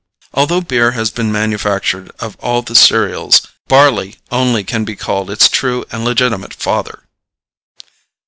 Although beer has been manufactured of all the cereals, barley only can be called its true and legitimate father.